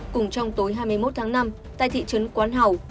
cùng trong tối hai mươi một tháng năm tại thị trấn quán hào